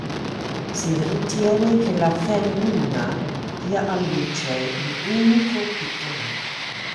Si ritiene che la femmina dia alla luce un unico piccolo.